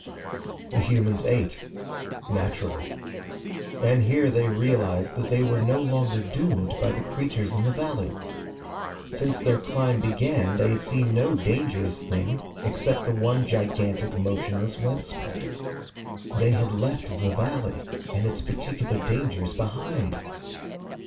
The humans ate. Naturally. And here they realized that they were no longer doomed by the creatures in the valley. Since their climb began they had seen no dangerous thing except the one gigantic, motionless web spider. They had left the valley and its particular dangers behind.